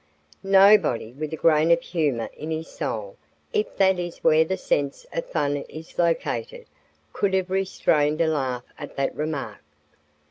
Nobody with a grain of humor in his soul, if that is where the sense of fun is located, could have restrained a laugh at that remark.